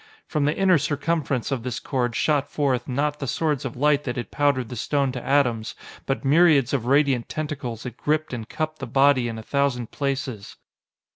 From the inner circumference of this cord shot forth, not the swords of light that had powdered the stone to atoms, but myriads of radiant tentacles that gripped and cupped the body in a thousand places.